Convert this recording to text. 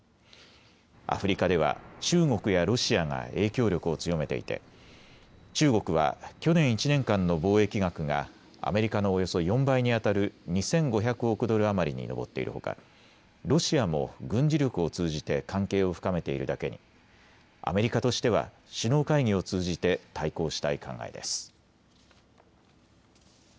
アフリカでは中国やロシアが影響力を強めていて中国は去年１年間の貿易額がアメリカのおよそ４倍にあたる２５００億ドル余りに上っているほか、ロシアも軍事力を通じて関係を深めているだけにアメリカとしては首脳会議を通じて対抗したい考えです。